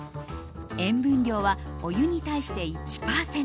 塩分量はお湯に対して１％。